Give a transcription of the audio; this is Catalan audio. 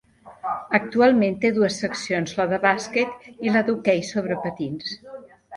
Actualment té dues seccions, la de bàsquet i la d'hoquei sobre patins.